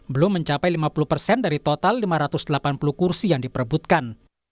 belum mencapai lima puluh persen dari total lima ratus delapan puluh kursi yang diperebutkan